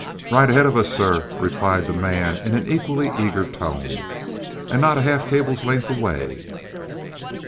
"Right ahead of us, sir," replied the man in an equally eager tone. "And not half a cable's length away!"